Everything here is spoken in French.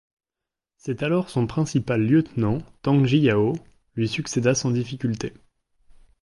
C'est alors son principal lieutenant, Tang Jiyao, lui succéda sans difficultés.